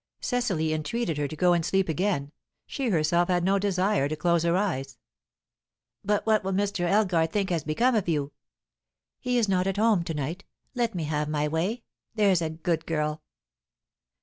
Cecily entreated her to go and sleep again; she herself had no desire to close her eyes. "But what will Mr. Elgar think has become of you?" "He is not at home to night. Let me have my way, there's a good girl."